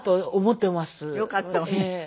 よかったわね。